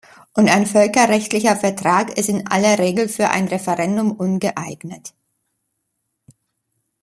Und ein völkerrechtlicher Vertrag ist in aller Regel für ein Referendum ungeeignet.